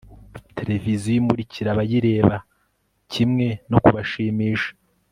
televiziyo imurikira abayireba kimwe no kubashimisha